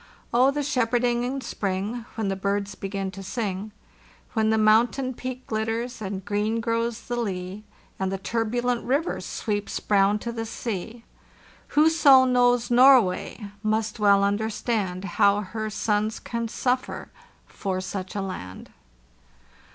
Oh, the shepherding in spring, When the birds begin to sing, When the mountain peak glitters and green grows the lea, And the turbulent river sweeps brown to the sea!. . Whoso knows Norway must well understand How her sons can suffer for such a land."